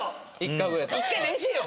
１回練習よ。